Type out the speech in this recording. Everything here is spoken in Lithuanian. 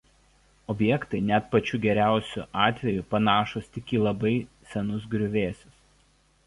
Objektai net pačiu geriausiu atveju panašūs tik į labai senus griuvėsius.